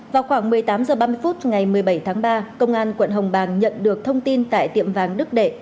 vào khoảng một mươi tám h ba mươi phút ngày một mươi bảy tháng ba công an quận hồng bàng nhận được thông tin tại tiệm vàng đức đệ